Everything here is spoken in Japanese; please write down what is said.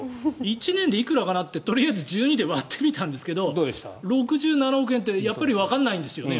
１年でいくらかなってとりあえず１２で割ってみたんですけど６７億円ってやっぱりわからないんですよね。